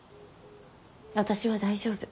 私は大丈夫。